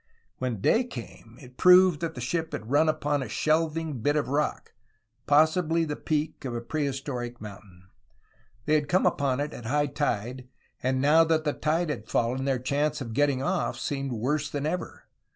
When day came it proved that the ship had run upon a shelving bit of rock, possibly the peak of a prehistoric mountain. They had come upon it at high tide, and now that the tide had fallen their chance of getting off seemed worse than ever.